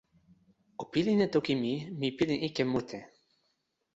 o pilin e toki mi: mi pilin ike mute.